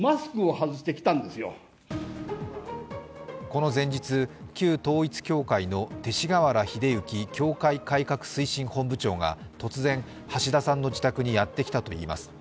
この前日、旧統一教会の勅使川原教会改革推進本部長が突然、橋田さんの自宅にやってきたといいます。